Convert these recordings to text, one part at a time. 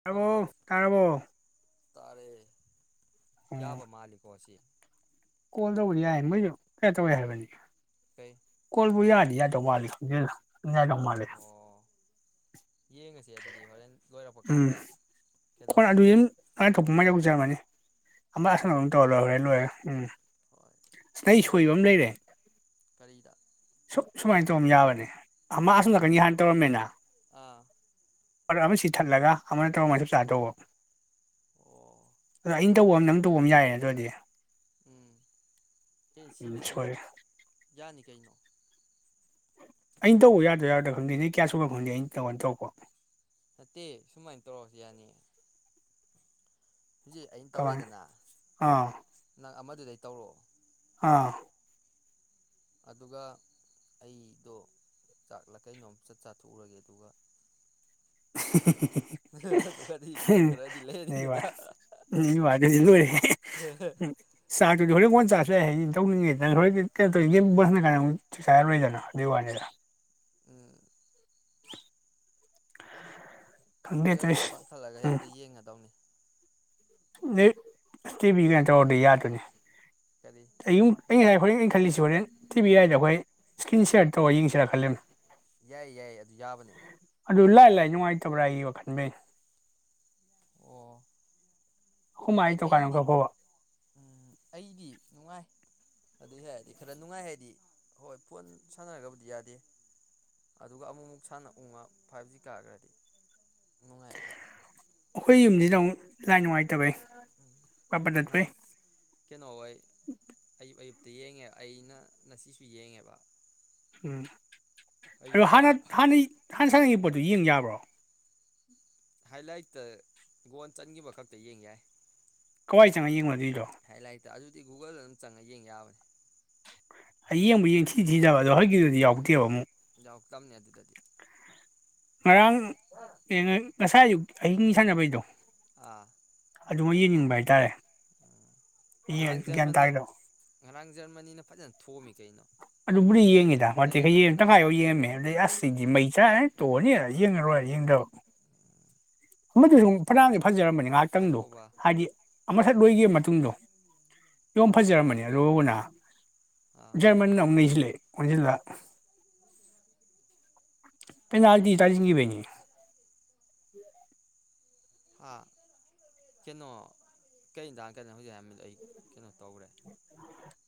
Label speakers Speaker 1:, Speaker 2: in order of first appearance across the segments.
Speaker 1: ꯇꯥꯔꯕꯣ
Speaker 2: ꯍꯜꯂꯣ
Speaker 1: ꯇꯥꯔꯕꯣ
Speaker 2: ꯇꯥꯔꯦ
Speaker 1: ꯑꯣ
Speaker 2: ꯌꯥꯕ ꯃꯥꯜꯂꯤꯀꯣ ꯑꯁꯤ
Speaker 1: ꯀꯣꯜ ꯇꯧꯕꯗꯤ ꯌꯥꯏ ꯃꯣꯏꯁꯨ ꯈ꯭ꯔ ꯇꯧꯋꯦ ꯍꯥꯏꯕꯅꯤ
Speaker 2: ꯀꯩ
Speaker 1: ꯀꯣꯜꯕꯨ ꯌꯥꯅꯤ ꯌꯥꯗꯧ ꯃꯥꯜꯂꯤ ꯈꯪꯗꯦꯗ ꯌꯥꯗꯧꯃꯥꯂꯦ
Speaker 2: ꯑꯣ ꯌꯦꯡꯉꯁꯦ ꯑꯗꯨꯗꯤ ꯍꯣꯔꯦꯟ ꯂꯣꯏꯔꯛꯄ
Speaker 1: ꯎꯝ
Speaker 2: ꯀꯥꯟꯗ ꯀꯩꯅꯣ
Speaker 1: ꯀꯣꯟꯑꯗꯨꯍꯤꯝ ꯃꯥ ꯊꯣꯛꯄꯃ ꯌꯧꯖꯔꯝꯃꯅꯤ ꯑꯃ
Speaker 2: ꯎꯝ
Speaker 1: ꯑꯥꯁꯅ ꯑꯗꯨꯝ ꯇꯧꯔ ꯂꯣꯏꯔꯦ ꯂꯣꯢꯔꯦ ꯎꯝ
Speaker 2: ꯍꯣꯏ
Speaker 1: ꯑꯁ ꯅ ꯑꯩ ꯁꯣꯏꯕ ꯑꯃ ꯂꯩꯔꯦ
Speaker 2: ꯀꯔꯤꯗ
Speaker 1: ꯁꯨ ꯁꯨꯃꯥꯏꯅ ꯇꯧꯔꯝ ꯌꯥꯕꯅꯦ ꯃꯥ ꯑꯁꯨꯝ ꯅꯥꯀꯟꯒꯤ ꯍꯥꯟꯅ ꯇꯧꯔꯝꯃꯦꯅ
Speaker 2: ꯑꯥ
Speaker 1: ꯄ ꯑꯃ ꯁꯤꯊꯠꯂꯒ ꯑꯃꯅ ꯇꯔꯒ ꯑꯃ ꯆꯞ ꯆꯥ ꯇꯧꯕ
Speaker 2: ꯑꯣ
Speaker 1: ꯑꯗꯣ ꯑꯩꯅ ꯇꯧꯕ ꯑ ꯅꯝ ꯇꯧꯕ ꯑꯃ ꯌꯥꯏꯌꯦ ꯑꯗꯨ ꯑꯣꯏꯔꯗꯤ
Speaker 2: ꯎꯝ ꯀ
Speaker 1: ꯎꯝ
Speaker 2: ꯁꯤꯗꯁꯨ
Speaker 1: ꯁꯣꯏꯔꯦ
Speaker 2: ꯌꯥꯅꯤ ꯀꯩꯅꯣ
Speaker 1: ꯑꯩꯅ ꯇꯧꯕ ꯌꯥꯗ꯭ꯔꯥ ꯌꯥꯗ꯭ꯔ ꯈꯪꯗꯦ ꯅꯣꯏ ꯀꯌꯥ ꯁꯨꯕ ꯈꯪꯗꯦ ꯑꯩꯅ ꯇꯧꯉꯥꯟꯅ ꯇꯧꯕ
Speaker 2: ꯅꯠꯇꯦ ꯁꯨꯃꯥꯏꯅ ꯇꯧꯔꯛꯁꯨ ꯌꯥꯅꯤꯌꯦ ꯍꯧꯖꯤꯛ ꯑꯩꯅ
Speaker 1: ꯀꯃꯥꯏꯅ
Speaker 2: ꯇꯧꯔꯦꯗꯅ
Speaker 1: ꯑꯥ
Speaker 2: ꯅꯪ ꯑꯃꯗꯨꯗꯩ ꯇꯧꯔꯛꯑꯣ
Speaker 1: ꯑꯥ
Speaker 2: ꯑꯗꯨꯒ ꯑꯩꯗꯣ ꯆꯥꯛꯂ ꯀꯩꯅꯣꯝ ꯆꯠ ꯆꯥꯊꯣꯛꯎꯔꯒꯦ ꯑꯗꯨꯒ
Speaker 1: ꯍꯤꯍꯤ [inaudible]
Speaker 2: ꯑꯗꯨꯒꯗꯤ ꯒꯦꯝ ꯈꯔꯗꯤ ꯂꯩꯔꯅꯤꯗꯅ
Speaker 1: ꯆꯁꯦꯌꯦ ꯇꯧꯅꯤꯡꯉꯦꯗꯣꯏꯣꯁ ꯀꯥꯏꯗ ꯑꯃꯨꯛ ꯆꯥꯏꯔꯣꯏꯗꯅ ꯑꯗꯨ ꯋꯥꯅꯤꯗ [unintelligible]
Speaker 2: [inaudible]
Speaker 1: ꯈꯪꯗꯦ
Speaker 2: ꯁ꯭ꯄꯤꯀꯔ
Speaker 1: ꯇꯧꯏꯁꯦ
Speaker 2: ꯄꯥꯡꯈꯠꯂꯒ ꯍꯦꯛꯇ ꯌꯦꯡꯒꯗꯧꯅꯤ
Speaker 1: ꯇꯤ ꯕꯤ ꯅ ꯇꯧꯔꯗꯤ ꯌꯥꯗꯨꯅꯤ
Speaker 2: ꯀꯔꯤ
Speaker 1: ꯑꯌꯨꯝ [unintelligible] ꯑꯩꯅ ꯉꯁꯥꯏ ꯍꯣꯔꯦꯟ ꯑꯩꯅ ꯈꯜꯂꯤꯁꯤ ꯍꯣꯔꯦꯟ ꯇꯤꯚꯤ ꯍꯥꯏꯏꯗ ꯑꯩꯈꯣꯏ ꯏꯁꯀ꯭ꯔꯤꯟ ꯁꯤꯌꯥꯔ ꯇꯧꯔ ꯌꯦꯡꯁꯤꯔꯥ ꯈꯜꯂꯤꯅꯤ
Speaker 2: ꯌꯥꯏ ꯌꯥꯏ ꯑꯗꯨ ꯌꯥꯕꯅꯦ
Speaker 1: ꯑꯗꯨ ꯂꯥꯏ ꯂꯥꯏ ꯅꯨꯡꯉꯥꯏꯇꯕ꯭ꯔꯥ ꯑꯩ ꯋꯥꯈꯜ ꯅꯤ
Speaker 2: ꯑꯣ ꯑꯩ ꯑꯩꯗꯤ ꯑꯩꯗꯤ ꯅꯨꯡꯉꯥꯏ ꯑꯗꯨꯏ ꯌꯥ ꯍꯥꯏꯔꯗꯤ ꯈꯔ ꯅꯨꯡꯉꯥꯏ ꯍꯥꯏꯔꯗꯤ ꯍꯣꯏ ꯐꯣꯟ ꯁꯥꯟꯅꯔꯒꯕꯨꯗꯤ ꯌꯥꯗꯦ ꯑꯗꯨꯒ ꯑꯃꯨꯛ ꯑꯃꯨꯛ ꯁꯥꯟꯅ ꯎꯉ ꯐꯥꯏꯞ ꯖꯤ ꯀꯥꯈ꯭ꯔꯗꯤ ꯅꯨꯡꯉꯥꯏꯌꯦꯕ
Speaker 1: ꯑꯩꯈꯣꯏ ꯌꯨꯝꯁꯤꯗ ꯑꯃꯨꯛ ꯂꯥꯏꯠ ꯅꯨꯡꯉꯥꯏꯇꯕꯩ
Speaker 2: ꯎ
Speaker 1: ꯄꯠ ꯄꯠ ꯇꯠꯄꯩ
Speaker 2: ꯅꯍꯥꯟ ꯀꯩꯅꯣꯍꯣꯏ ꯑꯌꯨꯛ ꯑꯌꯨꯛ ꯌꯦꯡꯉꯦꯕ ꯑꯩꯅ ꯉꯁꯤꯁꯨ ꯌꯦꯡꯉꯦꯕ
Speaker 1: ꯎꯝ ꯑꯗꯨ ꯍꯥꯟ
Speaker 2: ꯑꯌꯨꯛꯇ
Speaker 1: ꯍꯅꯤ ꯍꯟ ꯁꯛꯒꯤ ꯄꯣꯠꯇꯨ ꯌꯦꯡ ꯌꯥꯕ꯭ꯔꯣ
Speaker 2: ꯍꯥꯏꯂꯥꯏꯠꯇ ꯒꯣꯟ ꯆꯟꯈꯤꯕ ꯈꯛꯇ ꯌꯦꯡ ꯌꯥꯏ
Speaker 1: ꯀꯋꯥꯏ ꯆꯪꯉ ꯌꯦꯡꯉꯕ ꯗꯤ
Speaker 2: ꯍ ꯥꯏꯂꯥꯏꯠ ꯑꯗꯨ ꯒꯨꯒꯜꯗ ꯑꯗꯨꯝ ꯆꯪꯉꯒ ꯌꯦꯡ ꯌꯥꯕꯅꯤ
Speaker 1: ꯍꯌꯦꯡꯕ ꯌꯦꯡ ꯊꯤ ꯊꯤꯕ ꯑꯗꯣ ꯍꯣꯏꯒꯤꯗꯨꯗꯤ ꯌꯥꯎꯗꯦꯕ ꯑꯃꯨꯛ [unintelligible]
Speaker 2: ꯑꯧ ꯇꯝꯅꯦ ꯑꯗꯨꯗꯗꯤ
Speaker 1: ꯉꯔꯥꯡ ꯉꯁꯥꯏ ꯑꯌꯨꯛ ꯑꯍꯤꯡ ꯁꯥꯟꯅꯕꯩꯗꯣ
Speaker 2: ꯑꯥ
Speaker 1: ꯑꯗꯨꯃ ꯌꯦꯡꯅꯤꯡꯕ ꯍꯥꯏꯇꯥꯔꯦ ꯌꯦ
Speaker 2: ꯉꯔꯥꯡ
Speaker 1: ꯒ꯭ꯌꯥꯟ ꯇꯥꯏꯗꯣ
Speaker 2: ꯉꯔꯥꯡ ꯖꯔꯃꯟꯅ ꯐꯖꯅ ꯊꯣꯝꯃꯤ ꯀꯩꯅꯣ
Speaker 1: ꯑꯗꯨꯕꯨꯔꯤ ꯌꯦꯡꯉꯤꯗ ꯋꯥꯠꯇꯤꯒ
Speaker 2: ꯇꯔꯦꯠ
Speaker 1: ꯌꯦꯡ
Speaker 2: ꯑꯃꯗ
Speaker 1: ꯇꯪꯈꯥꯏꯐꯥꯎ ꯌꯦꯡꯉꯃꯦ ꯑꯗꯩ ꯑꯁ ꯁꯤꯗꯤ ꯃꯩ ꯆꯥꯑꯅꯤ ꯇꯣꯛꯑꯅꯤ ꯑ ꯌꯦꯡꯉꯔꯣꯏ ꯌꯦꯡꯗꯕ [unintelligible] ꯐꯖꯔꯝꯕꯅꯤ ꯉꯥꯏꯇꯪꯗꯣ
Speaker 2: ꯉꯥꯏꯈꯣꯕ
Speaker 1: ꯍꯥꯏꯗꯤ ꯑꯃꯊꯛ ꯂꯣꯏꯒꯤ ꯃꯇꯨꯡꯗꯣ [unintelligible] ꯐꯖꯔꯝꯕꯅꯤ ꯑꯗꯨꯅ
Speaker 2: ꯑꯥ
Speaker 1: [unintelligible] [unintelligible] ꯄꯦꯅꯥꯜꯇꯤ ꯇꯥꯖꯤꯟꯒꯤꯕꯩꯅꯦ
Speaker 2: ꯍꯥꯥ ꯀꯩꯅꯣ ꯀꯩꯗ ꯀꯩꯅꯣꯒꯤꯖ ꯑꯩ ꯀꯩꯅꯣ ꯇꯧꯔꯦ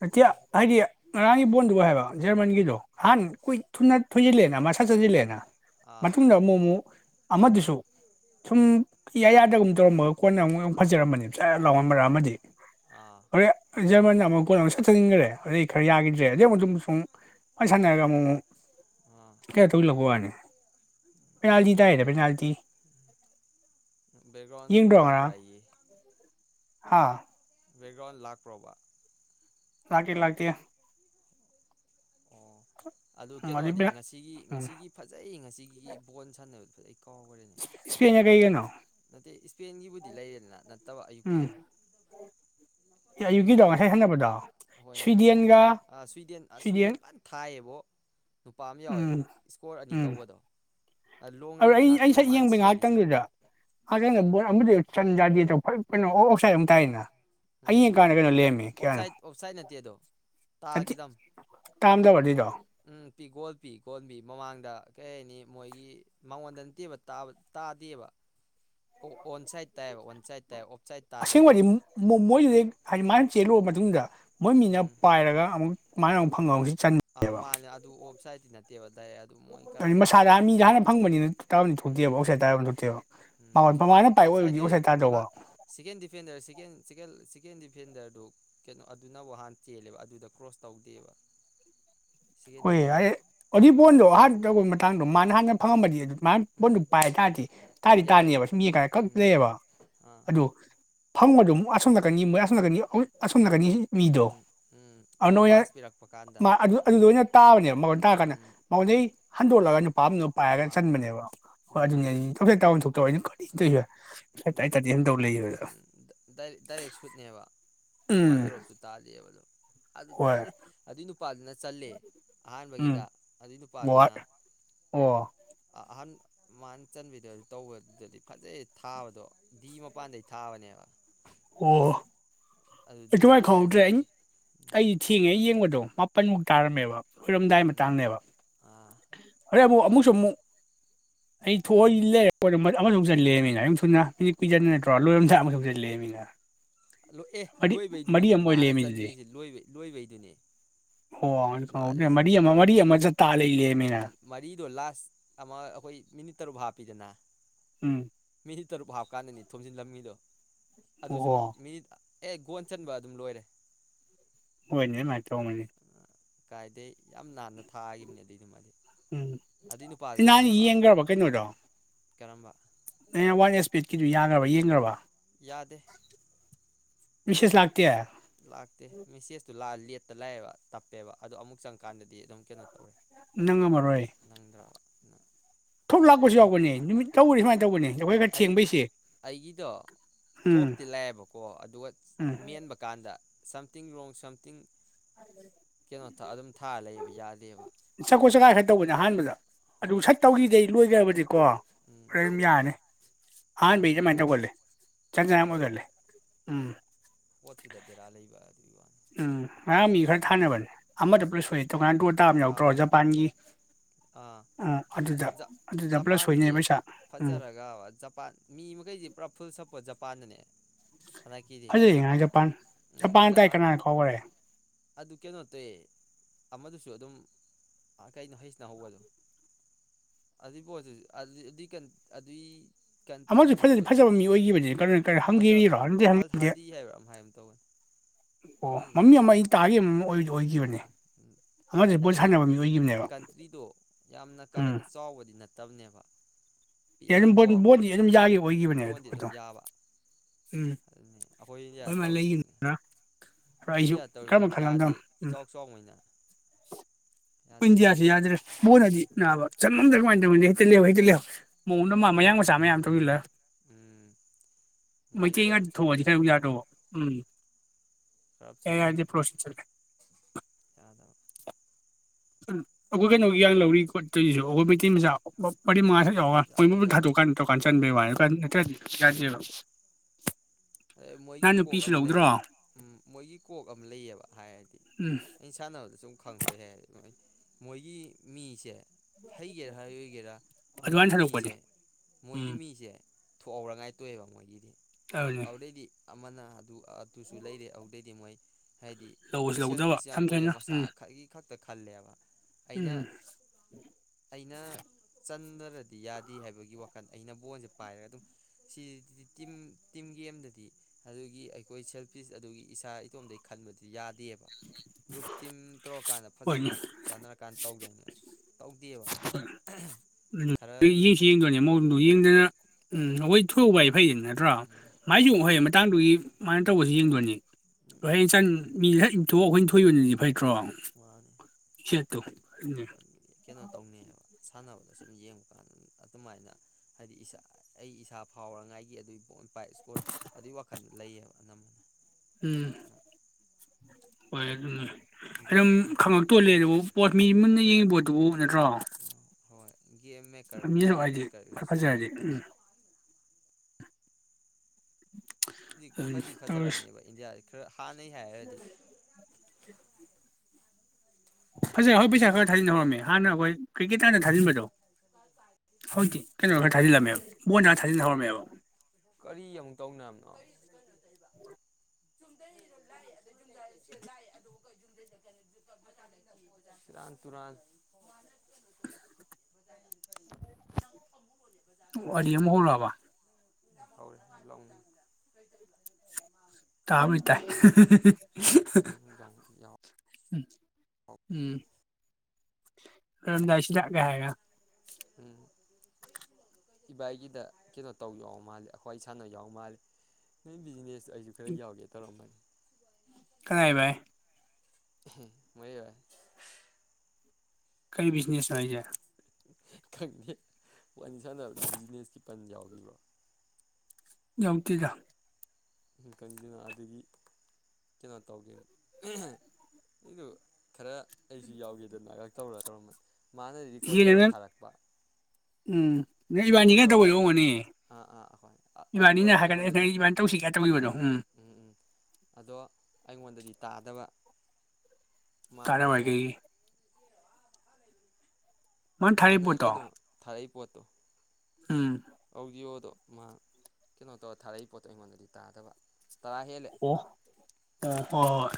Speaker 1: ꯅꯇꯤꯌꯥ ꯍꯥꯏꯗꯤ ꯉꯔꯥꯡꯒꯤ ꯕꯣꯟꯗꯨꯕꯨ ꯍꯥꯏꯕ ꯖꯔꯃꯟꯒꯤꯗꯣ ꯍꯥꯟ ꯀꯨꯏ ꯊꯨꯅ ꯊꯣꯏꯖꯤꯜꯂꯦꯅ ꯃꯁꯥ ꯆꯥꯁꯤꯜꯂꯦꯅ
Speaker 2: ꯑꯥ
Speaker 1: ꯃꯇꯨꯡꯗ ꯑꯃꯨꯃꯨꯛ ꯑꯃꯗꯨꯁꯨ ꯁꯨꯝ ꯏꯌꯥꯌꯥꯗꯒꯨꯝ ꯇꯧꯔꯃꯒ ꯀꯣꯟꯅ ꯑꯃꯨꯛ ꯌꯥꯝ ꯐꯖꯔꯝꯕꯅꯦ ꯆꯠ ꯂꯥꯎꯔꯝꯕꯔꯥ ꯑꯃꯗꯤ
Speaker 2: ꯑꯥ
Speaker 1: ꯍꯔꯦ ꯖꯔꯃꯟꯅ ꯃꯨꯛ ꯀꯣꯟꯅꯥꯎ ꯁꯠ ꯆꯟꯖꯤꯟꯒꯔꯦ ꯍꯧꯖꯤꯛ ꯈꯔ ꯌꯥꯈꯤꯗ꯭ꯔꯦ
Speaker 2: ꯎꯝ
Speaker 1: ꯑꯗꯩ ꯃꯇꯨꯡꯗꯁꯨ ꯁꯨꯡ [unintelligible]
Speaker 2: ꯑꯥ
Speaker 1: ꯄꯦꯅꯜꯇꯤ ꯇꯥꯏꯌꯦꯗ ꯄꯦꯅꯜꯇꯤ
Speaker 2: ꯕꯦꯛꯒꯔꯥꯟ ꯂꯥꯛꯄ꯭ꯔꯥ ꯑꯩꯒꯤ
Speaker 1: ꯍꯥꯥ
Speaker 2: [unintelligible]
Speaker 1: ꯂꯥꯛꯇꯦ ꯂꯥꯛꯇꯦ
Speaker 2: ꯑꯣ ꯑꯗꯨ
Speaker 1: ꯎꯝ
Speaker 2: ꯀꯩꯅꯣꯗꯤ
Speaker 1: ꯄꯦꯅꯥ
Speaker 2: ꯉꯁꯤꯒꯤ
Speaker 1: ꯎꯝ
Speaker 2: ꯉꯁꯤꯒꯤ ꯐꯖꯩ ꯉꯁꯤꯒꯤ ꯕꯣꯟ ꯁꯟꯅꯕꯗꯣ [unintelligible]
Speaker 1: ꯏꯁ ꯏꯁꯄꯦꯟꯒ ꯀꯩꯒꯅꯣ
Speaker 2: ꯅꯠꯇꯦ ꯏꯁꯄꯦꯟꯒꯤꯕꯨꯗꯤ ꯂꯩꯔꯦꯗꯅ ꯅꯠꯇꯕ ꯑꯌꯨꯛꯀꯤꯗꯣ
Speaker 1: ꯎꯝ
Speaker 2: ꯑꯌꯨꯛꯀꯤꯗꯣ
Speaker 1: ꯉꯁꯥꯏ ꯁꯥꯟꯅꯕꯗꯣ
Speaker 2: ꯍꯣꯏꯅꯦ ꯀꯥꯎꯒꯔꯦ
Speaker 1: ꯁ꯭ꯋꯤꯗꯦꯟꯒ
Speaker 2: ꯑ ꯁ꯭ꯨꯏꯗꯦꯟ ꯑ
Speaker 1: ꯁ꯭ꯋꯤꯗꯦꯟ
Speaker 2: ꯁ꯭ꯨꯏꯗꯦꯟ ꯐꯖ ꯊꯥꯏꯌꯦꯕꯣ ꯅꯨꯄꯥ ꯑꯃ ꯌꯥꯎꯋꯦ
Speaker 1: ꯎꯝ
Speaker 2: ꯏꯁꯀꯣꯔ ꯑꯅꯤ
Speaker 1: ꯎꯝ
Speaker 2: ꯇꯧꯕꯗꯣ ꯂꯣꯡ
Speaker 1: ꯑꯗꯨ
Speaker 2: ꯔꯦꯟꯖ
Speaker 1: ꯑꯩ ꯑꯩ
Speaker 2: ꯉꯥꯛꯇꯅꯦ
Speaker 1: ꯁꯛ
Speaker 2: ꯃꯥꯅ
Speaker 1: ꯌꯦꯡꯕꯩ
Speaker 2: ꯁꯦꯠꯂꯤꯁꯦ
Speaker 1: ꯉꯥꯛꯇꯪꯗꯨꯗ ꯐꯖꯝꯅꯦ ꯕꯣꯔ ꯑꯃꯗꯤ
Speaker 2: ꯎꯝ ꯑꯣꯞꯁꯥꯏꯠ ꯑꯣꯞꯁꯥꯏꯠ ꯅꯠꯇꯦ ꯑꯗꯣ ꯇꯥꯒꯤꯗꯝ
Speaker 1: [unintelligible] [unintelligible]
Speaker 2: ꯎꯝ ꯄꯤ ꯒꯣꯜꯄꯤ ꯒꯣꯜꯕꯤ ꯃꯃꯥꯡꯗ ꯀꯩ ꯍꯥꯏꯅꯤ ꯃꯣꯏꯒꯤ ꯃꯉꯣꯟꯗ ꯅꯠꯇꯦꯕ ꯇꯥꯕꯗꯤ ꯇꯥꯗꯦꯕ ꯑꯣ ꯑꯣꯟ ꯁꯥꯏꯠ ꯇꯥꯏꯌꯦꯕ ꯑꯣꯟ ꯁꯥꯏꯠ ꯑꯣꯞꯁꯥꯏꯠ ꯇꯥꯗꯦꯕ
Speaker 1: ꯑꯁꯦꯡꯕꯗꯤ [unintelligible] [unintelligible]
Speaker 2: ꯎꯝ
Speaker 1: ꯃꯣꯏ ꯃꯤꯅ ꯄꯥꯏꯔꯒ ꯑꯃꯨꯛ ꯃꯥꯏ ꯑꯃꯨꯛ ꯐꯪꯉꯧꯔꯤ
Speaker 2: ꯑ ꯃꯥꯅꯦ ꯑꯗꯨ ꯑꯣꯞꯁꯥꯏꯇ ꯅꯠ ꯇꯦꯕ
Speaker 1: ꯃꯁꯥꯗ ꯃꯤꯗ ꯍꯥꯟꯅ ꯐꯪꯕꯅꯤꯅ ꯇꯥꯕ
Speaker 2: ꯃꯤꯅ
Speaker 1: ꯊꯣꯛꯇꯦꯕ ꯑꯣꯁꯥꯏꯠ ꯇꯥꯕ ꯊꯣꯛꯇꯦꯕ
Speaker 2: ꯎꯝ
Speaker 1: ꯃꯃꯥꯅ ꯄꯥꯏ ꯑꯣꯏꯔꯨꯗꯤ
Speaker 2: ꯑꯣꯞꯁꯥꯏꯠꯇꯤ
Speaker 1: ꯑꯣꯁꯥꯏꯠ
Speaker 2: ꯂꯥ
Speaker 1: ꯇꯥꯗꯧꯕ
Speaker 2: ꯁꯦꯀꯦꯟ ꯗꯤꯐꯦꯟꯗꯔ ꯁꯦꯀꯦꯟ ꯁꯦꯀꯦꯟ ꯁꯦꯀꯦꯟ ꯗꯤꯐꯦꯟꯗꯔꯗꯨ ꯀꯩꯅꯣ ꯑꯗꯨꯅꯕꯨ ꯍꯥꯟꯅ ꯆꯦꯜꯂꯦꯕ ꯑꯗꯨꯗ ꯀ꯭ꯔꯣꯁ ꯇꯧꯗꯦꯕ ꯁꯦꯀꯦꯟ
Speaker 1: ꯍꯣꯏ ꯑꯩ
Speaker 2: ꯗꯤꯐꯦꯟꯗꯔꯗꯤ
Speaker 1: ꯑꯗꯨꯏ ꯕꯣꯟꯗꯣ ꯑꯍꯥꯟ ꯇꯧꯕ ꯃꯇꯥꯡꯗꯣ ꯃꯥꯅ ꯍꯥꯟꯅ ꯐꯪꯉꯝꯃꯗꯤ ꯑꯗꯨ ꯃꯥꯏꯅ
Speaker 2: ꯎꯝ
Speaker 1: ꯕꯣꯟꯗꯨ ꯄꯥꯏ ꯀꯟꯗꯤ ꯇꯥꯗꯤ
Speaker 2: ꯌꯥꯏ
Speaker 1: ꯇꯥꯅꯤꯕ ꯁꯨꯝ ꯌꯦꯡ ꯀꯥꯏ ꯀꯛ
Speaker 2: ꯎꯝ
Speaker 1: ꯍꯦꯕ
Speaker 2: ꯑꯥ
Speaker 1: ꯑꯗꯨ ꯐꯥꯟꯗꯣ ꯑꯁꯣꯝ ꯅꯀꯥꯟꯒꯤ ꯃꯣꯏ ꯑꯁꯣꯝꯀ ꯑꯁꯣꯝ ꯅꯀꯥꯟꯒꯤ ꯃꯤꯗꯣ
Speaker 2: ꯎꯝ ꯎꯝ ꯑꯗꯣ
Speaker 1: ꯑꯅꯨꯌꯦꯠ
Speaker 2: ꯄꯥꯁ ꯄꯤꯔꯛꯄ ꯀꯥꯟꯗ
Speaker 1: ꯃꯥ ꯑꯗꯨ ꯑꯗꯨ ꯂꯣꯏꯅ ꯃꯥꯑꯣꯡ ꯇꯥꯔꯀꯟꯗ
Speaker 2: ꯎꯝ
Speaker 1: ꯃꯉꯣꯟꯗꯩꯩ ꯍꯟꯗꯣꯛꯂꯒ ꯅꯨꯄꯥ ꯑꯃꯗꯨ ꯄꯥꯏꯔꯒ
Speaker 2: ꯃꯥꯅꯤ
Speaker 1: ꯆꯟꯕꯅꯦꯕ ꯍꯣꯏ ꯑꯗꯨ ꯗꯣꯛꯇꯔ ꯑꯣꯏꯅꯤ ꯀꯔꯤ ꯇꯧꯏꯁꯦ
Speaker 2: ꯗꯥꯏꯔꯦꯛ ꯗꯥꯏꯔꯦꯛ ꯁꯨꯠꯅꯦꯕ
Speaker 1: ꯎꯝ
Speaker 2: ꯋꯥꯟ ꯗ꯭ꯔꯣꯞꯁꯨ ꯇꯥꯗꯑꯕꯗꯣ ꯑꯗꯨ
Speaker 1: ꯍꯣꯏ
Speaker 2: ꯅꯜꯂꯤ ꯑꯗꯨꯅꯨ ꯅꯨꯄꯥꯗꯨꯅ ꯆꯠꯂꯦ ꯑꯍꯥꯟꯕꯒꯤꯗ ꯑꯗꯨꯏ
Speaker 1: ꯃꯋꯥꯠ
Speaker 2: ꯅꯨꯄꯥꯗꯨꯅ
Speaker 1: ꯑꯣ
Speaker 2: ꯑꯍꯟ ꯃꯥꯅ ꯆꯟꯕꯤꯗ ꯇꯧꯕꯗꯨꯗꯗꯤ ꯐꯖꯩ ꯊꯥꯕꯗꯣ ꯗꯤ ꯃꯄꯥꯟꯗꯩ ꯊꯥꯕꯅꯦꯕ
Speaker 1: ꯑꯣ
Speaker 2: ꯑꯗꯨ ꯆꯞ
Speaker 1: ꯑꯗꯨꯃꯥꯏꯅ
Speaker 2: ꯄꯥꯏꯔ
Speaker 1: ꯈꯧꯍꯧꯗ꯭ꯔꯦ
Speaker 2: ꯆꯪꯉꯤ
Speaker 1: ꯑꯩ ꯊꯦꯡꯉꯦ ꯑꯩ ꯌꯦꯡꯕꯗꯣ ꯃꯥꯄꯜ ꯃꯨꯛ ꯇꯔꯝꯃꯦꯕ ꯈꯣꯏꯔꯝꯗꯥꯏ
Speaker 2: ꯎꯝ
Speaker 1: ꯃꯇꯥꯡꯅꯦꯕ
Speaker 2: ꯑꯥ
Speaker 1: ꯍꯣꯔꯦꯟꯃꯨꯛ ꯑꯃꯨꯛꯁꯨ ꯑꯃꯨꯛ ꯑꯩ ꯊꯣꯛꯏ ꯂꯩꯔꯄ ꯑꯃꯁꯨ ꯆꯠꯜꯂꯦꯕꯃꯤꯅ ꯌꯨꯝ ꯊꯨꯅ ꯃꯤꯅꯤꯠ ꯀꯨꯏꯖꯟ
Speaker 2: ꯑꯣ
Speaker 1: ꯅꯠꯇ꯭ꯔꯣ ꯂꯣꯏꯔꯝꯗꯥ ꯑꯃꯁꯨ ꯆꯠꯂꯦꯕꯃꯤꯅ
Speaker 2: ꯑꯦ ꯂꯣꯏꯕꯩꯗꯨꯅꯤꯅꯦ
Speaker 1: ꯑꯃ ꯑꯣꯏ
Speaker 2: ꯅꯥꯜꯂ
Speaker 1: ꯂꯩꯔꯝꯃꯤꯗꯨꯗꯤ
Speaker 2: ꯆꯟꯉꯤꯁꯦ ꯂꯣꯏꯕꯩ ꯂꯣꯏꯕꯩꯗꯨꯅꯦ
Speaker 1: ꯑꯣ ꯈꯪꯍꯧꯗ꯭ꯔꯦ
Speaker 2: ꯅꯥꯜꯂꯤꯁꯦ
Speaker 1: ꯃꯔꯤ ꯑꯃ ꯃꯔꯤ ꯑꯃ ꯆꯠ ꯇꯥ ꯂꯩ ꯂꯩꯔꯝꯃꯤꯅ
Speaker 2: ꯎꯝ ꯃꯔꯤꯗꯣ ꯂꯥꯁ ꯑꯃ ꯑꯩꯈꯣꯏ ꯃꯤꯅꯤꯠ ꯇꯔꯨꯛ ꯍꯥꯞꯄꯤꯗꯅ
Speaker 1: ꯎꯝ
Speaker 2: ꯑꯅꯤ ꯇꯔꯨꯛ ꯍꯥꯞꯀꯥꯟꯗꯅꯤ ꯊꯣꯝꯖꯤꯜꯂꯝꯃꯤꯗꯣ ꯑꯗꯨꯁꯨ
Speaker 1: ꯑꯣ
Speaker 2: ꯃꯤꯠ ꯑꯦ ꯒꯣꯟ ꯆꯟꯕ ꯑꯗꯨꯝ ꯂꯣꯏꯔꯦ
Speaker 1: ꯍꯣꯏꯅꯦ ꯑꯗꯨꯃꯥꯏ ꯇꯧꯔꯝꯒꯅꯤ
Speaker 2: ꯀꯥꯏꯗꯩ ꯌꯥꯝ ꯅꯥꯟꯅ ꯊꯥꯈꯤꯕꯅꯦ ꯑꯗꯨꯒꯤꯗꯨꯃꯗꯤ
Speaker 1: ꯎꯝ ꯅꯥꯟ ꯌꯦꯡꯒꯕꯣ ꯀꯩꯅꯣꯗꯣ
Speaker 2: ꯀꯔꯝꯕ
Speaker 1: [inaudible]
Speaker 2: ꯌꯥꯗꯦ
Speaker 1: ꯃꯦꯁꯦꯁ ꯂꯥꯛꯇ
Speaker 2: ꯂꯥꯛꯇꯦ ꯃꯦꯁꯦꯁ ꯇꯨ ꯂꯥꯜ ꯂꯦꯠ ꯇ ꯂꯥꯛꯑꯦꯕ ꯇꯞꯄꯦꯕ ꯑꯗꯣ ꯑꯃꯨꯛ ꯆꯪꯀꯥꯟꯗꯗꯤ ꯑꯗꯨꯝ ꯀꯩꯅꯣ ꯇꯧꯔꯦ
Speaker 1: ꯅꯪ ꯉꯝꯃꯔꯣꯏ
Speaker 2: [inaudible]
Speaker 1: ꯊꯣꯛ ꯂꯥꯛꯄꯁꯨ ꯌꯥꯎꯕꯅꯦ ꯅꯨꯃꯤꯠ ꯇꯧꯔꯤ ꯁꯨꯃꯥꯏꯅ ꯇꯧꯕꯅꯦ ꯑꯩꯈꯣꯏ ꯈꯔ
Speaker 2: ꯑꯩ
Speaker 1: ꯊꯦꯡꯕꯩꯁꯦ
Speaker 2: ꯑꯩꯒꯤꯗꯣ
Speaker 1: ꯎꯝ
Speaker 2: ꯊꯣꯛꯇꯤ ꯂꯥꯛ ꯑꯦꯕꯀꯣ ꯑꯗꯨꯒ
Speaker 1: ꯎꯝ
Speaker 2: ꯃꯦꯟꯕꯀꯥꯟꯗ ꯁꯝꯊꯤꯡ ꯔꯣꯡ ꯁꯝꯊꯤꯡ
Speaker 1: [inaudible]
Speaker 2: ꯑꯗꯨꯝ ꯊꯥ ꯂꯩꯌꯦꯕ ꯌꯥꯗꯦꯕ
Speaker 1: ꯇ꯭ꯔꯥꯏ ꯍꯥꯟꯅ ꯇꯧꯕꯅꯦ ꯑꯍꯥꯟꯕꯗ ꯑꯗꯨ
Speaker 2: ꯍꯣꯏ
Speaker 1: ꯁꯠ ꯇꯧꯒꯤꯗꯩ [inaudible] ꯀꯣ
Speaker 2: ꯎꯝ
Speaker 1: ꯑꯗꯨꯝ ꯌꯥꯅꯤ ꯑꯍꯥꯟꯕꯁꯦ ꯑꯗꯨꯃꯥꯏ
Speaker 2: ꯑꯗꯨꯒꯤꯅꯦꯕ
Speaker 1: ꯌꯥꯝ
Speaker 2: ꯌꯥꯗ
Speaker 1: ꯇꯧꯒꯜꯂꯦ ꯎꯝ
Speaker 2: ꯄꯣꯠꯇꯨꯗ ꯕꯦꯔꯥ ꯂꯩꯕ ꯑꯗꯨꯒꯤ ꯋꯥꯅꯤ
Speaker 1: ꯎꯝ ꯉꯔꯥꯡ ꯃꯤ ꯈꯔ ꯊꯥꯅꯕꯅꯦ ꯑꯃꯗ ꯄꯨꯂꯞ ꯁꯣꯏ ꯇꯣꯉꯥꯟꯅ ꯗ꯭ꯔꯣ ꯇꯥꯕ
Speaker 2: ꯑꯥ
Speaker 1: ꯌꯥꯎꯗ꯭ꯔꯣ ꯖꯄꯥꯟꯒꯤ
Speaker 2: ꯑꯥ
Speaker 1: ꯎꯝ ꯑꯗꯨꯗ
Speaker 2: ꯑꯁ ꯑꯥ
Speaker 1: ꯑꯗꯨꯗ ꯄꯨꯂꯞ
Speaker 2: ꯖꯄꯥꯟꯁꯦ
Speaker 1: ꯁꯣꯏꯅꯩ ꯄꯩꯁꯥ ꯎꯝ
Speaker 2: ꯐꯖꯔꯒ ꯖꯄꯥꯟ ꯃꯤ ꯃꯈꯩꯁꯤ ꯄꯨꯔꯥ ꯐꯨꯜ ꯁꯞꯄꯣꯔꯠ ꯖꯄ [inaudible]
Speaker 1: ꯑꯗꯨꯗꯤ ꯉꯔꯥꯡ ꯖꯄꯥꯟ ꯖꯄꯥꯟ ꯇꯥꯏ ꯀꯅꯥꯅꯣ ꯀꯎꯈ꯭ꯔꯦ
Speaker 2: ꯑꯗꯨ ꯀꯩꯅꯣ ꯇꯧ ꯑꯃꯗꯨꯁꯨ ꯑꯗꯨꯝ ꯀꯩꯅꯣ ꯍꯩꯁꯅ ꯍꯧꯕꯗꯣ ꯑꯗꯨꯏ ꯄꯣꯠꯇꯨ ꯑꯗꯨꯏ ꯑꯗꯨꯏ ꯀꯟ ꯑꯗꯨꯏ
Speaker 1: ꯑꯃꯁꯨ ꯐꯖꯗꯤ
Speaker 2: ꯀꯟꯇ꯭ꯔꯤꯗꯨꯁꯨ ꯑꯗꯨꯝ
Speaker 1: ꯐꯖꯕ ꯃꯤ ꯑꯣꯏꯈꯤꯕꯅꯤ ꯀꯜ ꯍꯪꯒꯤꯔꯤꯔꯣ
Speaker 2: ꯐꯖꯕꯅꯦ
Speaker 1: ꯍꯪꯗꯦ ꯍꯪꯗꯦ
Speaker 2: ꯍꯜꯗꯤ ꯍꯥꯏꯕ꯭ꯔꯥ ꯑꯃ ꯍꯥꯏꯕ ꯇꯧꯕꯅꯤ
Speaker 1: ꯑꯣ
Speaker 2: ꯑꯗꯨꯝ
Speaker 1: ꯃꯃꯤꯡ
Speaker 2: ꯆꯠ
Speaker 1: ꯑꯃ ꯑꯩꯅ ꯇꯥꯈꯤꯕ ꯑꯃ ꯑꯣꯏ ꯑꯣꯏꯈꯤꯕꯅꯦ
Speaker 2: ꯎꯝ ꯎꯝ
Speaker 1: ꯑꯃꯁꯨ ꯕꯣꯜ
Speaker 2: ꯍꯥꯏꯗꯤ
Speaker 1: ꯁꯥꯟꯅꯕ ꯃꯤ ꯑꯣꯏꯈꯤꯕꯅꯦꯕ
Speaker 2: ꯀꯟꯇ꯭ꯔꯤꯗꯣ ꯌꯥꯝꯅ ꯀꯥ
Speaker 1: ꯎꯝ
Speaker 2: ꯍꯦꯟꯅ ꯆꯥꯎꯕꯗꯤ ꯅꯠꯇꯕ ꯅꯦꯕ ꯕꯣꯟꯗꯤ ꯑꯗꯨꯝ ꯌꯥꯕ ꯑꯗꯨꯅꯤ ꯑꯩꯈꯣꯏ ꯏꯟꯗꯤꯌꯥ ꯇꯧꯔꯤꯁꯤꯅꯤ
Speaker 1: [unintelligible]
Speaker 2: ꯑꯩꯈꯣꯏ
Speaker 1: ꯑꯩꯁꯨ
Speaker 2: ꯏꯟꯗꯤꯌꯥ ꯇꯧꯔꯤꯁꯦ
Speaker 1: ꯀꯔꯝꯕ
Speaker 2: ꯌꯥꯗꯦ
Speaker 1: ꯈꯜꯂꯝꯗꯕ ꯎꯝ
Speaker 2: ꯏꯆꯥꯎ ꯆꯥꯎꯅ
Speaker 1: ꯏꯟꯗꯤꯌꯥꯁꯤ ꯌꯥꯗꯔꯦ ꯃꯣꯏꯅꯗꯤ [unintelligible] ꯃꯑꯣꯡꯗ
Speaker 2: ꯎꯝ
Speaker 1: ꯃꯌꯥꯡ ꯃꯆꯥ ꯃꯌꯥꯝ ꯊꯣꯝꯖꯤꯜꯂ
Speaker 2: ꯎꯝ ꯃꯣꯏ
Speaker 1: ꯃꯩꯇꯩ ꯉꯥꯛꯇ
Speaker 2: ꯀꯔꯞꯁꯟ
Speaker 1: ꯊꯣꯛꯑꯗꯤ ꯈꯔ
Speaker 2: ꯀꯩꯅꯣ
Speaker 1: ꯑꯃꯨꯛ
Speaker 2: ꯇꯧꯔ
Speaker 1: ꯌꯥꯗꯧꯕ ꯎꯝ
Speaker 2: ꯀꯔꯞꯁꯟꯗ ꯌꯥꯗꯕ
Speaker 1: [unintelligible] ꯑꯩꯈꯣꯏ ꯀꯩꯅꯣꯒꯤꯒ ꯂꯧꯔꯤ ꯈꯣꯠꯇꯣꯏꯔꯤꯁꯨ ꯑꯩꯈꯣꯏ ꯑꯣꯕꯔ
Speaker 2: ꯌꯥꯎꯏ ꯌꯥꯎꯏ ꯐꯖꯅ ꯌꯥꯎꯏ
Speaker 1: ꯕꯦꯛꯀꯤꯡ [unintelligible] [unintelligible]
Speaker 2: ꯑꯥ ꯃꯣꯏꯒꯤ ꯀꯣꯛ ꯑꯃ ꯂꯩ ꯃ ꯃꯣꯏꯒꯤ ꯀꯣꯛ ꯑꯃ ꯂꯩꯌꯦꯕ ꯍꯥꯏꯔꯗꯤ
Speaker 1: ꯎꯝ
Speaker 2: ꯑꯩꯅ ꯁꯥꯟꯅꯕꯗ ꯁꯨꯝ ꯈꯪꯕꯩ ꯍꯥꯏ ꯃꯣꯏꯒꯤ ꯃꯤꯁꯦ ꯍꯩꯒꯦꯔꯥ ꯍꯥꯏ ꯑꯣꯏꯒꯦꯔꯥ ꯃꯣꯏꯒꯤ
Speaker 1: ꯑꯗꯨꯃꯥꯏꯅ ꯊꯥꯗꯣꯛꯄꯅꯦ
Speaker 2: ꯃꯤꯁꯦ ꯃꯣꯏꯒꯤ
Speaker 1: ꯎꯝ
Speaker 2: ꯃꯤꯁꯦ ꯊꯣꯛꯍꯧꯔ ꯉꯥꯏꯇꯣꯛꯑꯦꯕ ꯃꯣꯏꯒꯤꯗꯤ
Speaker 1: ꯑꯗꯨꯅꯤ
Speaker 2: ꯑꯧꯗꯩꯗꯤ ꯑꯃꯅ ꯑꯗꯨ ꯑꯗꯨꯁꯨ ꯂꯩꯔꯦ ꯑꯗꯨꯗꯩ ꯑꯗꯨ ꯃꯣꯏ ꯍꯥꯏꯗꯤ
Speaker 1: ꯂꯧꯕꯁꯨ ꯂꯧꯗꯕ
Speaker 2: ꯁꯦꯜꯐꯤꯁ ꯌꯥꯝ ꯑꯣꯏꯌꯦ
Speaker 1: ꯊꯣꯏꯅ
Speaker 2: ꯃꯁꯥ
Speaker 1: ꯎꯝ
Speaker 2: ꯈꯒꯤ ꯈꯛꯇ ꯈꯜꯂꯦꯕ ꯑꯩꯅ
Speaker 1: ꯎꯝ
Speaker 2: ꯑꯩꯅ ꯆꯟ ꯁꯅꯔꯗꯤ ꯌꯥꯗꯦ ꯍꯥꯏꯕꯒꯤ ꯋꯥꯈꯜ ꯑꯩꯅ ꯕꯣꯟꯁꯦ ꯄꯥꯏꯔꯒ ꯑꯗꯨꯝ ꯁꯤꯗꯤ ꯇꯤꯝ ꯇꯤꯝ ꯒꯦꯝꯗꯗꯤ ꯑꯗꯨꯒꯤ ꯑꯩꯈꯣꯏ ꯁꯦꯜꯐ ꯑꯗꯨꯒꯤ ꯏꯁꯥ ꯏꯇꯣꯝꯗꯒꯤ ꯈꯟꯕꯗ ꯌꯥꯗꯦ ꯗꯕ ꯒ꯭ꯔꯨꯞ ꯇꯤꯝ ꯇꯧꯔꯀꯥꯟꯗ
Speaker 1: ꯍꯣꯏꯅꯦ
Speaker 2: ꯐꯖꯅ ꯆꯥꯟꯅꯔꯀꯥꯟꯗ ꯇꯧꯗꯧꯅꯦ ꯇꯧꯗꯦꯕ [inaudible]
Speaker 1: ꯎꯝ ꯌꯦꯡꯁꯤ ꯌꯦꯡꯗꯣꯏꯅꯦ ꯃꯑꯣꯡꯗꯣ
Speaker 2: ꯎꯝ
Speaker 1: ꯌꯦꯡꯗꯅ ꯎꯝ [unintelligible] ꯐꯩꯗꯤ ꯅꯠꯇ꯭ꯔꯣ
Speaker 2: ꯎꯝ
Speaker 1: ꯃꯥꯏꯁꯨ ꯋꯍꯩ ꯃꯇꯥꯡꯗꯨꯒꯤ ꯁꯨꯃꯥꯏꯅ ꯇꯧꯕꯁꯨ ꯌꯦꯡꯗꯣꯏꯅꯤ ꯔꯣꯏꯟꯁꯟ ꯃꯤ ꯍꯥꯛ ꯏꯟꯊꯨꯑꯣ ꯑꯩꯈꯣꯏꯅ ꯊꯣꯛꯏꯕꯅꯤꯗꯤ ꯐꯠꯇ꯭ꯔꯣ
Speaker 2: ꯋꯥꯔꯦ
Speaker 1: ꯆꯠꯇꯣ
Speaker 2: ꯀꯦꯅꯣ ꯇꯧꯅꯤꯑꯕ ꯁꯥꯟꯅꯕꯗ ꯁꯨꯝ ꯌꯦꯡꯕ ꯀꯥꯟꯗ ꯎꯝ ꯑꯗꯨꯃꯥꯏꯅ ꯍꯥꯏꯗꯤ ꯏꯁꯥ ꯑꯩ ꯏꯁꯥ ꯐꯥꯎꯔꯉꯥꯏꯒꯤ ꯑꯗꯨꯒꯤ ꯐꯣꯟ ꯕꯥꯏ ꯁ꯭ꯀꯣꯠ ꯑꯗꯨꯏ ꯋꯥꯈꯜꯗ ꯂꯩꯌꯦꯕ ꯑꯅꯝꯕꯅ
Speaker 1: ꯎꯝ ꯍꯣꯏ ꯑꯗꯨꯅ
Speaker 2: ꯒꯣꯜ
Speaker 1: ꯑꯗꯨꯝ ꯈꯪꯉꯛꯇꯣꯜꯂꯦ
Speaker 2: ꯒꯦꯝ
Speaker 1: ꯑꯗꯨꯕꯨ ꯄꯣꯠ ꯃꯤ ꯃꯨꯟꯅ ꯌꯦꯡꯉꯤ ꯄꯣꯠꯇꯨꯕꯨ ꯅꯠꯇ꯭ꯔꯣ
Speaker 2: ꯍꯣꯏ ꯒꯦꯝ ꯃꯦꯀ꯭ꯔ
Speaker 1: ꯃꯤꯅꯁꯨ
Speaker 2: ꯒꯦꯝ
Speaker 1: ꯍꯥꯏꯗꯤ
Speaker 2: ꯃꯦꯀ꯭ꯔ ꯁꯣꯏ
Speaker 1: ꯐꯖꯔꯗꯤ ꯎꯝ [inaudible] ꯑꯗꯨꯅꯤ
Speaker 2: ꯈꯥꯔꯗꯤ
Speaker 1: ꯇꯧꯔꯤꯁꯤ
Speaker 2: ꯐꯖꯔꯕꯅꯦꯕ ꯏꯟꯗꯤꯌꯥ ꯈꯔ ꯊꯥꯅ ꯍꯥꯏꯔꯗꯤ
Speaker 1: ꯐꯖꯩ ꯑꯩ ꯍꯣꯏ ꯄꯩꯁꯥ ꯈ
Speaker 2: ꯍꯧꯖꯤꯛꯀꯤꯗꯤ
Speaker 1: ꯊꯥꯏꯅ
Speaker 2: ꯈꯔ
Speaker 1: ꯍꯔꯝꯃꯦ ꯍꯥꯟꯅ ꯍꯈꯣꯏ ꯀ꯭ꯔꯤꯛꯀꯦꯠꯅ ꯊꯥꯖꯤꯟꯕꯗꯣ ꯍꯧꯖꯤꯛꯇꯤ ꯀꯩꯅꯣ ꯈꯔ ꯊꯥꯖꯤꯜꯂꯝꯃꯦꯕ ꯕꯣꯜꯗꯅ ꯊꯥꯖꯤꯟꯍꯧꯔꯝꯃꯦꯕ
Speaker 2: ꯀꯔꯤ ꯑꯃꯨꯛ ꯇꯧꯅꯕꯅꯣ
Speaker 1: [inaudible]
Speaker 2: ꯁꯔꯥꯟ ꯇꯨꯔꯥꯟ
Speaker 1: ꯋꯥꯔꯤ ꯃꯃꯨꯛ ꯍꯧꯔꯛꯑꯕꯔꯥ
Speaker 2: [unintelligible]
Speaker 1: ꯇꯕꯨꯗꯤ ꯇꯥꯏ ꯍ
Speaker 2: ꯃꯤ ꯌꯥꯎ
Speaker 1: ꯍꯍꯥ ꯎꯝ ꯑꯝꯗꯥꯏ ꯁꯤꯗ ꯀꯥꯏꯅ
Speaker 2: ꯎꯝ ꯏꯕꯥꯏꯒꯤꯗ ꯀꯩꯅꯣ ꯇꯧ ꯌꯥꯎ ꯃꯥꯜꯂꯦ ꯑꯩꯈꯣꯏ ꯁꯥꯟꯅ ꯌꯥꯎ ꯃꯥꯜꯂꯤ ꯅꯣꯏ ꯕꯤꯖꯤꯅꯦꯁ ꯑ ꯑꯩꯁꯨ ꯈꯔ ꯌꯥꯎꯒꯦ ꯇꯧꯔꯝꯕꯅꯤ
Speaker 1: ꯀꯅꯥꯥꯏ ꯚꯥꯏ
Speaker 2: ꯃꯣꯏ
Speaker 1: ꯀꯩ ꯕꯤꯖꯤꯅꯦꯁ ꯅꯣ ꯍꯥꯏꯁꯦ
Speaker 2: ꯈꯪꯗꯦ ꯋꯥꯔꯤ ꯁꯥꯟꯅꯕꯗ ꯕꯤꯖꯤꯅꯦꯁꯀꯤ ꯄꯟ ꯌꯥꯎꯈꯤꯕ꯭ꯔꯣ
Speaker 1: ꯌꯥꯝꯇꯤꯗ
Speaker 2: ꯀꯟꯗꯨꯅ ꯑꯗꯨꯗꯒꯤ ꯀꯩꯅꯣ ꯇꯧꯒꯦ ꯑꯗꯨ ꯈꯔ ꯑꯩꯁꯨ ꯌꯥꯎꯈꯤ [inaudible] ꯗ ꯅꯥꯥꯛ ꯇꯧꯔ ꯇꯧꯔꯝꯃꯅꯤ ꯃꯥꯅ ꯔꯤꯀꯣꯔꯠ
Speaker 1: ꯏꯆꯦ
Speaker 2: ꯇꯧꯔ
Speaker 1: ꯅꯪ
Speaker 2: ꯊꯥꯔꯛꯄ
Speaker 1: ꯎꯝ ꯅꯪ ꯏꯕꯥꯅꯤꯒ
Speaker 2: ꯀꯣꯇꯣꯗ
Speaker 1: ꯇꯧꯕꯗꯣ ꯑꯣꯏꯔꯝꯒꯅꯤ
Speaker 2: ꯑꯥ ꯑꯥ ꯑꯍꯣꯏ ꯑꯗꯨꯒ
Speaker 1: ꯏꯕꯥꯅꯤꯅ ꯍꯥꯏꯒꯠꯂꯦ
Speaker 2: ꯑꯩꯉꯣꯟꯗꯗꯤ
Speaker 1: ꯅꯪ ꯏꯕꯥꯅꯤ ꯇꯧꯁꯤ ꯀꯥꯏ ꯇꯧꯈꯤꯕꯗꯣ
Speaker 2: ꯎꯝ ꯎꯝ ꯑꯗꯣ ꯑꯩꯉꯣꯟꯗꯗꯤ ꯇꯥꯗꯕ ꯃꯥꯅ
Speaker 1: ꯀꯔꯦꯃ ꯀꯩ ꯊꯥꯔꯤ
Speaker 2: ꯃꯥꯅ
Speaker 1: ꯄꯣꯠꯇꯣ
Speaker 2: ꯀꯩꯅꯣ ꯊꯥꯔꯩ ꯄꯣꯠꯇꯣ
Speaker 1: ꯎꯝ
Speaker 2: ꯑꯣꯒꯤꯌꯣꯗꯣ ꯃꯥ ꯀꯩꯅꯣ ꯇꯧꯔ ꯊꯥꯔꯛꯏ ꯄꯣꯠꯇꯣ ꯑꯩꯉꯣꯟꯗꯗꯤ ꯇꯥꯗꯕ ꯇꯔꯥ ꯍꯦꯜꯂꯦ
Speaker 1: ꯑꯣ ꯑ ꯑꯣ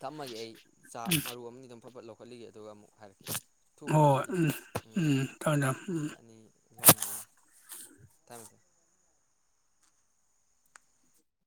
Speaker 2: ꯊꯝꯃꯒꯦ ꯑꯩ ꯆꯥꯛ ꯃꯔꯨ ꯑꯃꯅꯤ ꯗ ꯐꯠꯠ ꯂꯧ ꯍꯣꯜꯂꯤꯒꯤ ꯑꯗꯨꯒ ꯑꯃꯨꯛ ꯍꯥꯏꯔꯛꯀꯦ ꯊꯨꯒꯅꯤ
Speaker 1: ꯍꯣꯏ
Speaker 2: ꯑꯩꯗꯤ
Speaker 1: ꯎꯝ
Speaker 2: ꯎꯝ
Speaker 1: ꯊꯝꯃꯦ ꯊꯝꯃꯦ ꯎꯝ
Speaker 2: ꯑꯗ ꯑꯅꯤ ꯂꯧꯎꯅ ꯂꯩꯔꯦ ꯊꯝꯃꯦ